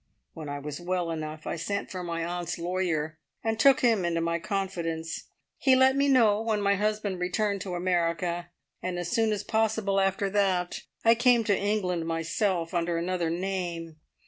When I was well enough I sent for my aunt's lawyer and took him into my confidence. He let me know when my husband returned to America, and as soon as possible after that I came to England myself, under another name.